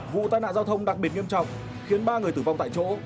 vụ tai nạn giao thông đặc biệt nghiêm trọng khiến ba người tử vong tại chỗ